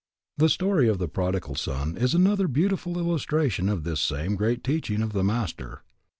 The story of the prodigal son is another beautiful illustration of this same great teaching of the Master.